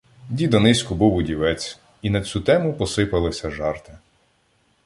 Дід Онисько був удівець, і на цю тему посипалися жарти.